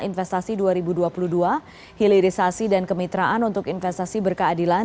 investasi dua ribu dua puluh dua hilirisasi dan kemitraan untuk investasi berkeadilan